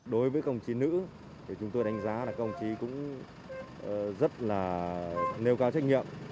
đối với công chí nữ chúng tôi đánh giá là công chí cũng rất là nêu cao trách nhiệm